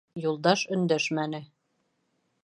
Юлдаш өндәшмәне.